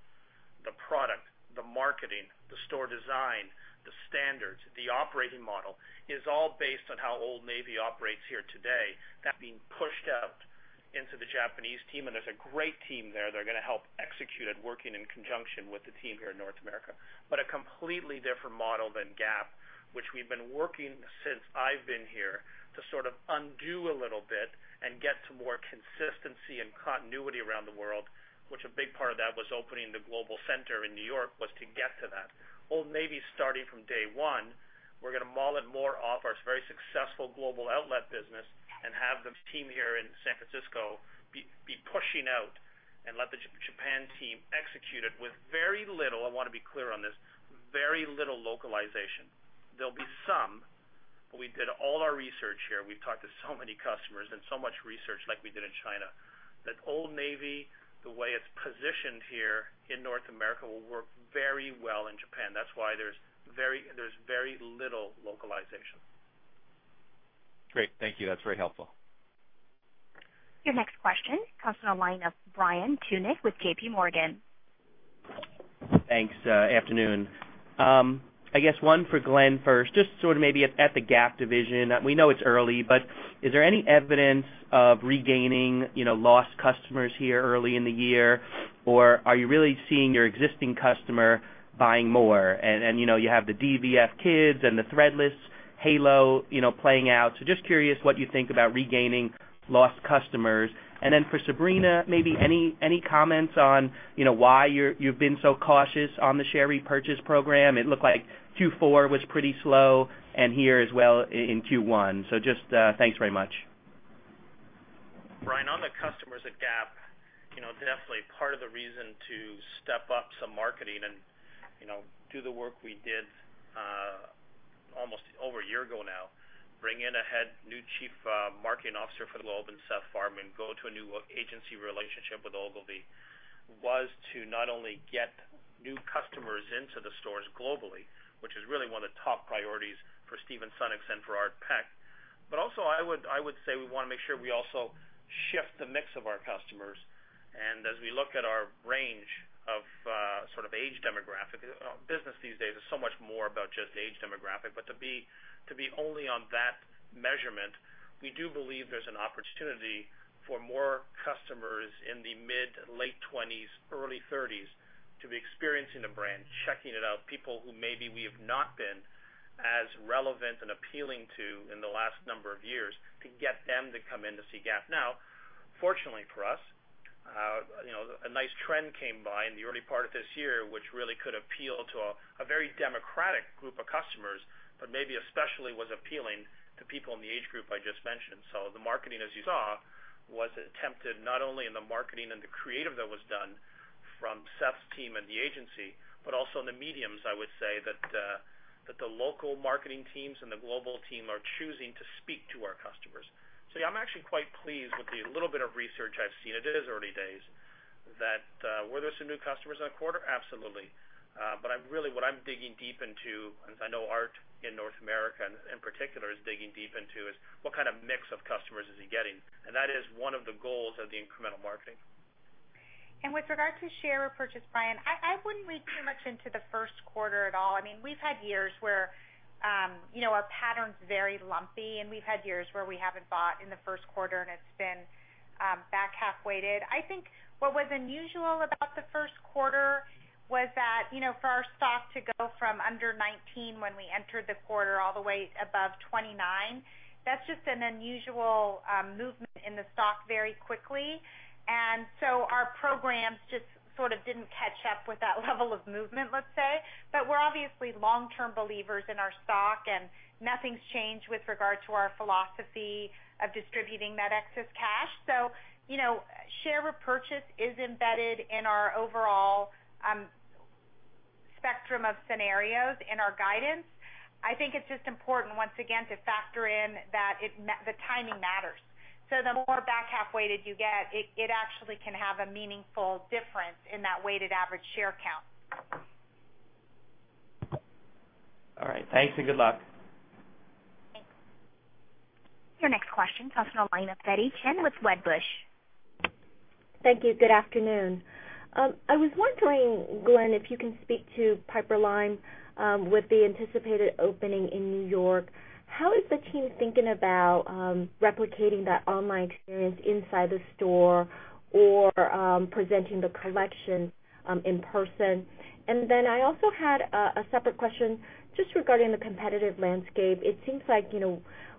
Speaker 3: the product, the marketing, the store design, the standards, the operating model is all based on how Old Navy operates here today. That's being pushed out into the Japanese team, and there's a great team there that are going to help execute it, working in conjunction with the team here in North America. A completely different model than Gap, which we've been working since I've been here to sort of undo a little bit and get to more consistency and continuity around the world, which a big part of that was opening the global center in New York was to get to that. Old Navy, starting from day one, we're going to model it more off our very successful global outlet business and have the team here in San Francisco be pushing out and let the Japan team execute it with very little, I want to be clear on this, very little localization. There'll be some, but we did all our research here. We've talked to so many customers and so much research like we did in China, that Old Navy, the way it's positioned here in North America, will work very well in Japan. That's why there's very little localization.
Speaker 13: Great. Thank you. That's very helpful.
Speaker 1: Your next question comes on the line of Brian Tunick with JPMorgan.
Speaker 14: Thanks. Afternoon. I guess one for Glenn first, just sort of maybe at the Gap division. We know it's early. Is there any evidence of regaining lost customers here early in the year? Are you really seeing your existing customer buying more? You have the DVF kids and the Threadless halo playing out. Just curious what you think about regaining lost customers. For Sabrina, maybe any comments on why you've been so cautious on the share repurchase program? It looked like Q4 was pretty slow and here as well in Q1. Just thanks very much.
Speaker 3: Brian, on the customers at Gap, definitely part of the reason to step up some marketing and do the work we did almost over a year ago now. Bring in a head, new Chief Marketing Officer for the globe and Seth Farbman, go to a new agency relationship with Ogilvy, was to not only get new customers into the stores globally, which is really one of the top priorities for Stephen Sunnucks and for Art Peck. I would say we want to make sure we also shift the mix of our customers. As we look at our range of sort of age demographic, business these days is so much more about just age demographic. To be only on that measurement, we do believe there's an opportunity for more customers in the mid, late 20s, early 30s to be experiencing the brand, checking it out. People who maybe we have not been as relevant and appealing to in the last number of years, to get them to come in to see Gap. Fortunately for us, a nice trend came by in the early part of this year, which really could appeal to a very democratic group of customers, but maybe especially was appealing to people in the age group I just mentioned. The marketing, as you saw, was attempted not only in the marketing and the creative that was done from Seth's team and the agency, but also in the mediums, I would say that the local marketing teams and the global team are choosing to speak to our customers. Yeah, I'm actually quite pleased with the little bit of research I've seen. It is early days. Were there some new customers in that quarter? Absolutely. Really, what I'm digging deep into, and I know Art in North America in particular is digging deep into, is what kind of mix of customers is he getting, and that is one of the goals of the incremental marketing.
Speaker 4: With regard to share repurchase, Brian, I wouldn't read too much into the first quarter at all. We've had years where our pattern's very lumpy, and we've had years where we haven't bought in the first quarter and it's been back half weighted. I think what was unusual about the first quarter was that for our stock to go from under 19 when we entered the quarter all the way above 29, that's just an unusual movement in the stock very quickly. Our programs just sort of didn't catch up with that level of movement, let's say. We're obviously long-term believers in our stock, and nothing's changed with regard to our philosophy of distributing that excess cash. Share repurchase is embedded in our overall spectrum of scenarios in our guidance. I think it's just important, once again, to factor in that the timing matters. The more back half weighted you get, it actually can have a meaningful difference in that weighted average share count.
Speaker 14: All right. Thanks and good luck.
Speaker 1: Your next question comes from the line of Betty Chen with Wedbush Securities.
Speaker 15: Thank you. Good afternoon. I was wondering, Glenn, if you can speak to Piperlime with the anticipated opening in New York. How is the team thinking about replicating that online experience inside the store or presenting the collection in person? I also had a separate question just regarding the competitive landscape. It seems like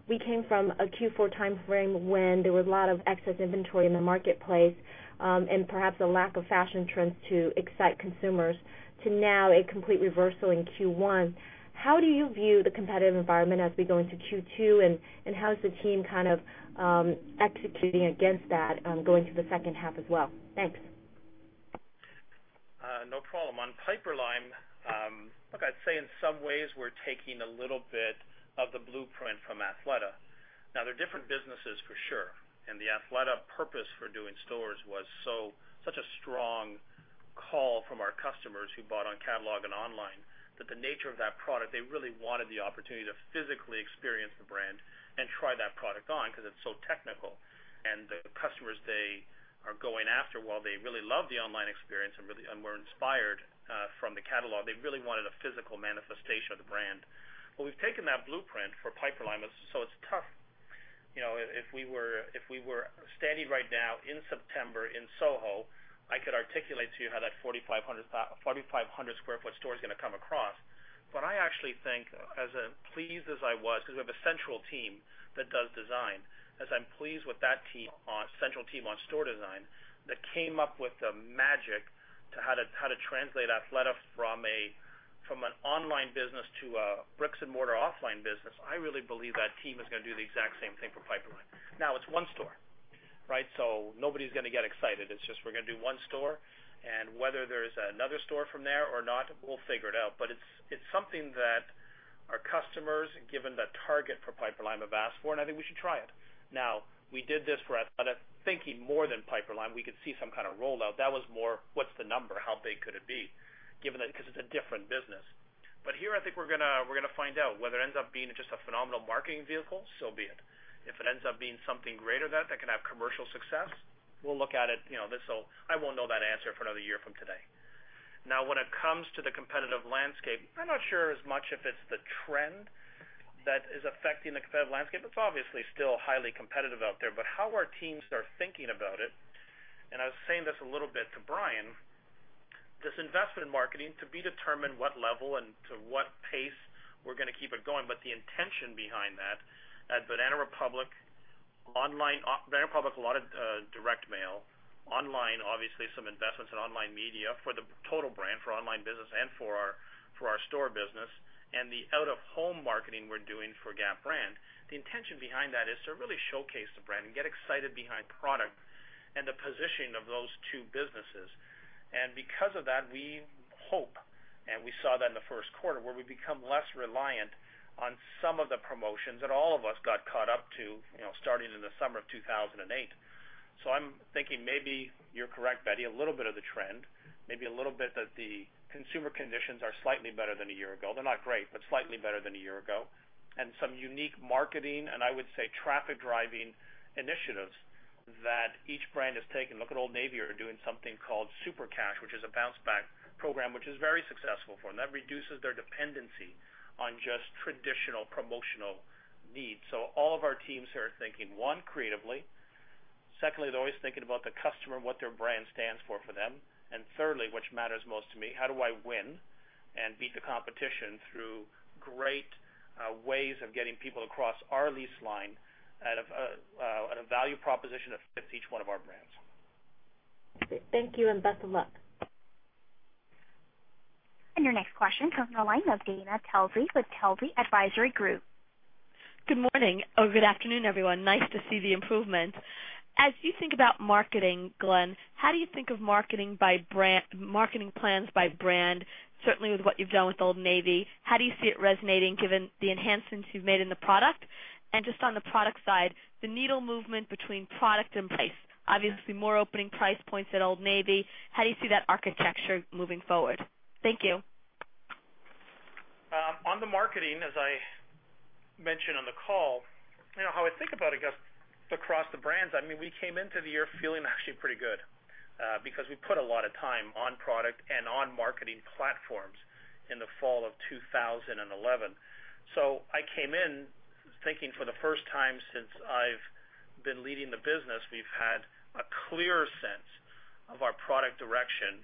Speaker 15: we came from a Q4 timeframe when there was a lot of excess inventory in the marketplace and perhaps a lack of fashion trends to excite consumers to now a complete reversal in Q1. How do you view the competitive environment as we go into Q2, and how is the team kind of executing against that going to the second half as well? Thanks.
Speaker 3: No problem. On Piperlime, look, I'd say in some ways we're taking a little bit of the blueprint from Athleta. Now they're different businesses for sure, and the Athleta purpose for doing stores was such a strong call from our customers who bought on catalog and online, that the nature of that product, they really wanted the opportunity to physically experience the brand and try that product on because it's so technical. The customers they are going after, while they really love the online experience and were inspired from the catalog, they really wanted a physical manifestation of the brand. We've taken that blueprint for Piperlime, so it's tough. If we were standing right now in September in Soho, I could articulate to you how that 4,500 square foot store is going to come across. I actually think, as pleased as I was, because we have a central team that does design. As I'm pleased with that central team on store design, that came up with the magic to how to translate Athleta from an online business to a bricks-and-mortar offline business. I really believe that team is going to do the exact same thing for Piperlime. It's one store. Nobody's going to get excited. It's just we're going to do one store, and whether there's another store from there or not, we'll figure it out. It's something that our customers, given the target for Piperlime have asked for, and I think we should try it. We did this for Athleta thinking more than Piperlime. We could see some kind of rollout. That was more, what's the number? How big could it be? Given that because it's a different business. Here I think we're going to find out. Whether it ends up being just a phenomenal marketing vehicle, so be it. If it ends up being something greater that can have commercial success, we'll look at it. I won't know that answer for another year from today. When it comes to the competitive landscape, I'm not sure as much if it's the trend that is affecting the competitive landscape. It's obviously still highly competitive out there, but how our teams are thinking about it, and I was saying this a little bit to Brian, this investment in marketing to be determined what level and to what pace we're going to keep it going. The intention behind that at Banana Republic, a lot of direct mail. Online, obviously some investments in online media for the total brand, for online business and for our store business and the out-of-home marketing we're doing for Gap brand. The intention behind that is to really showcase the brand and get excited behind product and the positioning of those two businesses. Because of that, we hope, and we saw that in the first quarter, where we become less reliant on some of the promotions that all of us got caught up to starting in the summer of 2008. I'm thinking maybe you're correct, Betty. A little bit of the trend, maybe a little bit that the consumer conditions are slightly better than a year ago. They're not great, but slightly better than a year ago. Some unique marketing and I would say traffic-driving initiatives that each brand has taken. Look at Old Navy are doing something called Super Cash, which is a bounce-back program, which is very successful for them. That reduces their dependency on just traditional promotional needs. All of our teams are thinking, one, creatively. Secondly, they're always thinking about the customer and what their brand stands for for them. Thirdly, which matters most to me, how do I win and beat the competition through great ways of getting people across our lease line at a value proposition that fits each one of our brands.
Speaker 15: Thank you, and best of luck.
Speaker 1: Your next question comes on the line of Dana Telsey with Telsey Advisory Group.
Speaker 16: Good morning, or good afternoon, everyone. Nice to see the improvements. As you think about marketing, Glenn, how do you think of marketing plans by brand? Certainly, with what you've done with Old Navy, how do you see it resonating given the enhancements you've made in the product? Just on the product side, the needle movement between product and price. Obviously, more opening price points at Old Navy. How do you see that architecture moving forward? Thank you.
Speaker 3: On the marketing, as I mentioned on the call, how I think about it across the brands, we came into the year feeling actually pretty good because we put a lot of time on product and on marketing platforms in the fall of 2011. I came in thinking for the first time since I've been leading the business, we've had a clear sense of our product direction,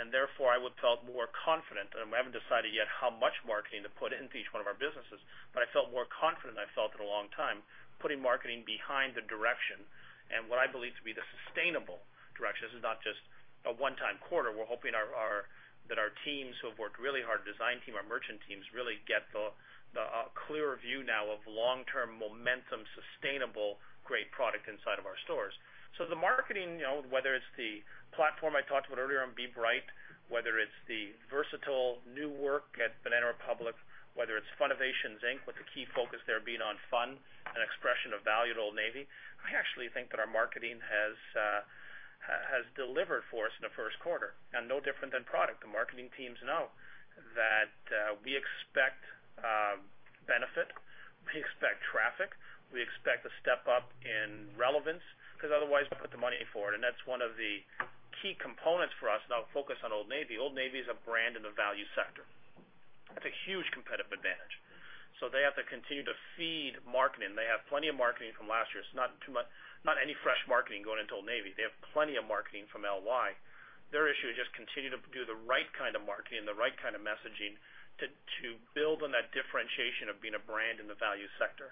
Speaker 3: and therefore, I would felt more confident. I haven't decided yet how much marketing to put into each one of our businesses. I felt more confident than I felt in a long time putting marketing behind the direction and what I believe to be the sustainable direction. This is not just a one-time quarter. We're hoping that our teams who have worked really hard, design team, our merchant teams, really get the clearer view now of long-term momentum, sustainable, great product inside of our stores. The marketing, whether it's the platform I talked about earlier on Be Bright, whether it's the versatile new work at Banana Republic, whether it's Funnovation, with the key focus there being on fun and expression of value at Old Navy. I actually think that our marketing has delivered for us in the first quarter and no different than product. The marketing teams know that we expect benefit, we expect traffic, we expect a step up in relevance because otherwise we put the money in for it, and that's one of the key components for us. I'll focus on Old Navy. Old Navy is a brand in the value sector. That's a huge competitive advantage. They have to continue to feed marketing. They have plenty of marketing from last year. It's not any fresh marketing going into Old Navy. They have plenty of marketing from LY. Their issue is just continue to do the right kind of marketing and the right kind of messaging to build on that differentiation of being a brand in the value sector.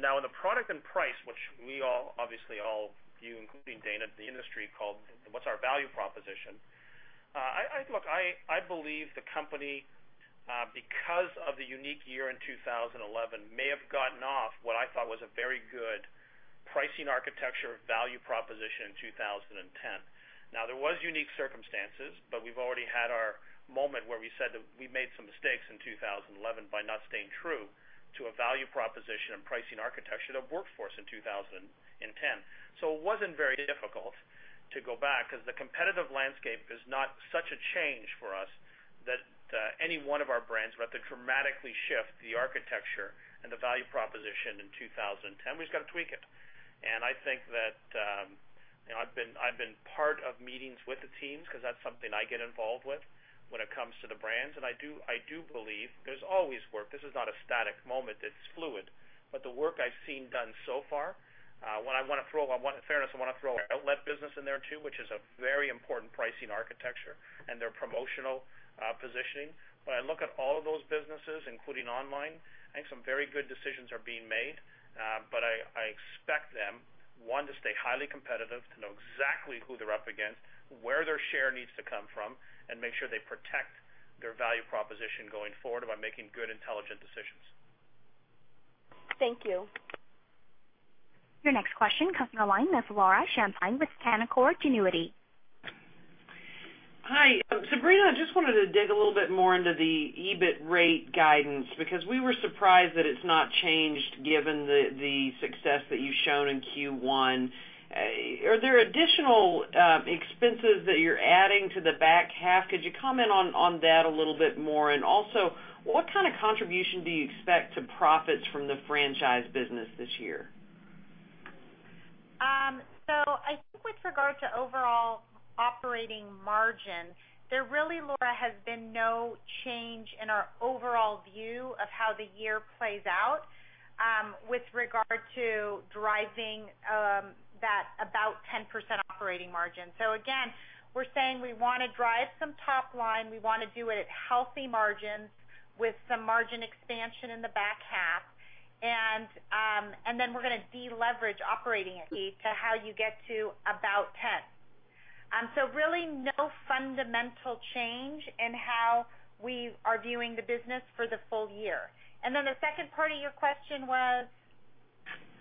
Speaker 3: In the product and price, which we all obviously all view, including Dana, the industry called what's our value proposition. I believe the company because of the unique year in 2011, may have gotten off what I thought was a very good pricing architecture value proposition in 2010. There was unique circumstances, we've already had our moment where we said that we made some mistakes in 2011 by not staying true to a value proposition and pricing architecture that worked for us in 2010. It wasn't very difficult to go back, because the competitive landscape is not such a change for us that any one of our brands we'd have to dramatically shift the architecture and the value proposition in 2010. We just got to tweak it. I think that, I've been part of meetings with the teams, because that's something I get involved with when it comes to the brands. I do believe there's always work. This is not a static moment. It's fluid. The work I've seen done so far, in fairness, I want to throw our outlet business in there, too, which is a very important pricing architecture and their promotional positioning. When I look at all of those businesses, including online, I think some very good decisions are being made. I expect them, one, to stay highly competitive, to know exactly who they're up against, where their share needs to come from, and make sure they protect their value proposition going forward by making good, intelligent decisions.
Speaker 16: Thank you.
Speaker 1: Your next question comes from the line of Laura Champine with Canaccord Genuity.
Speaker 17: Hi. Sabrina, I just wanted to dig a little bit more into the EBIT rate guidance, because we were surprised that it's not changed given the success that you've shown in Q1. Are there additional expenses that you're adding to the back half? Could you comment on that a little bit more? What kind of contribution do you expect to profits from the franchise business this year?
Speaker 4: I think with regard to overall operating margin, there really, Laura, has been no change in our overall view of how the year plays out with regard to driving that about 10% operating margin. Again, we're saying we want to drive some top line. We want to do it at healthy margins with some margin expansion in the back half. Then we're going to deleverage operating to how you get to about 10. Really no fundamental change in how we are viewing the business for the full year. Then the second part of your question was?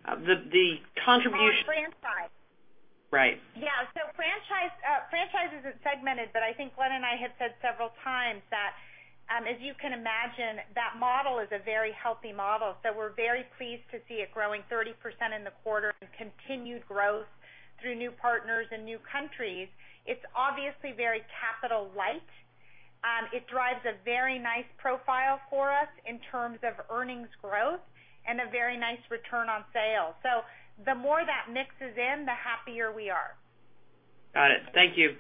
Speaker 17: The contribution-
Speaker 4: Franchise.
Speaker 17: Right.
Speaker 4: Yeah. Franchise isn't segmented, but I think Glenn and I have said several times that, as you can imagine, that model is a very healthy model. We're very pleased to see it growing 30% in the quarter and continued growth through new partners and new countries. It's obviously very capital light. It drives a very nice profile for us in terms of earnings growth and a very nice return on sale. The more that mixes in, the happier we are.
Speaker 17: Got it. Thank you.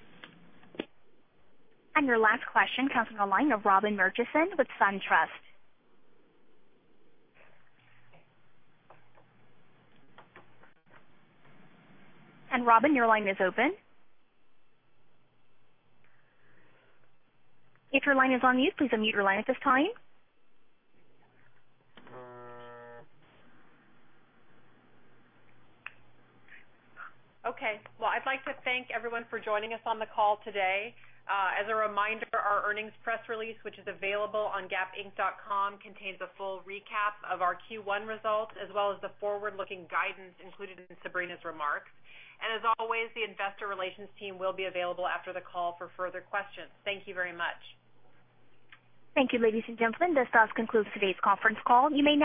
Speaker 1: Your last question comes from the line of Robyn Murchison with SunTrust. Robyn, your line is open. If your line is on mute, please unmute your line at this time.
Speaker 2: Well, I'd like to thank everyone for joining us on the call today. As a reminder, our earnings press release, which is available on gapinc.com, contains a full recap of our Q1 results, as well as the forward-looking guidance included in Sabrina's remarks. As always, the investor relations team will be available after the call for further questions. Thank you very much.
Speaker 1: Thank you, ladies and gentlemen. This does conclude today's conference call. You may dis